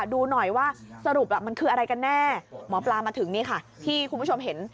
ดูหน่อยว่าสรุปมันคืออะไรกันแน่หมอปลามาถึงนี่ค่ะที่คุณผู้ชมเห็น